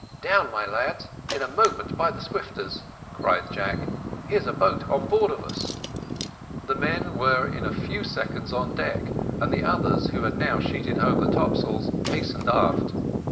"Down, my lads, in a moment by the swifters," cried Jack. "Here's a boat on board of us." The men were in a few seconds on deck, and the others, who had now sheeted home the topsails, hastened aft.